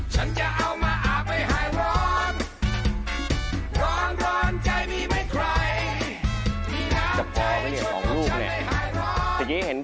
ฉันจะเอามาอาบไปหายร้อน